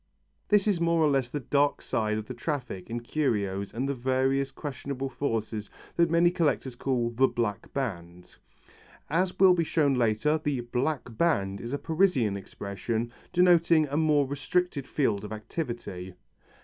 This is more or less the dark side of the traffic in curios and the various questionable forces that many collectors call "the black band." As will be shown later, the "black band" is a Parisian expression, denoting a more restricted field of activity.